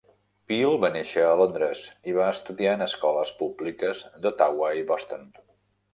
Peel va néixer a Londres i va estudiar en escoles públiques d'Ottawa i Boston.